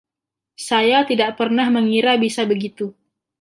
Saya tidak pernah mengira bisa begitu.